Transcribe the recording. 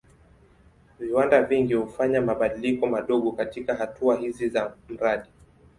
Viwanda vingi hufanya mabadiliko madogo katika hatua hizi za mradi.